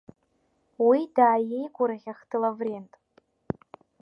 Уи дааиеигәырӷьахт Лаврент.